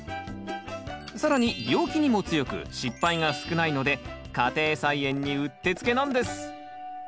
更に病気にも強く失敗が少ないので家庭菜園にうってつけなんです！